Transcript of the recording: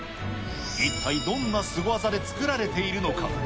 一体どんなすご技で作られているのか。